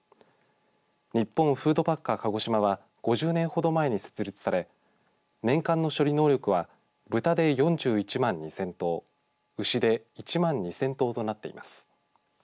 日本フードパッカー鹿児島は５０年ほど前に設立され年間の処理能力は豚で４１万２０００頭牛で１万２０００頭となっています。